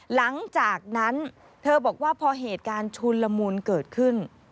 หลังจากนั้นเธอบอกว่าพอเหตุการณ์ชุนละมุนเกิดขึ้น